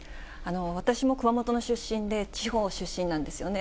私も熊本の出身で、地方出身なんですよね。